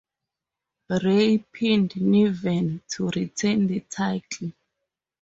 Ray pinned Niven to retain the title.